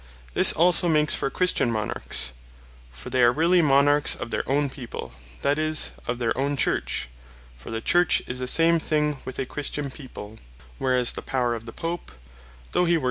This also makes for Christian Monarchs. For they are really Monarchs of their own people; that is, of their own Church (for the Church is the same thing with a Christian people;) whereas the Power of the Pope, though hee were S.